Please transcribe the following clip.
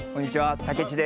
たけちです。